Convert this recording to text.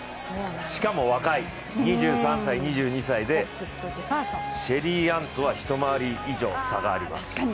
しかも、若い、２３歳、２２歳でシェリーアンとは一回り以上差があります。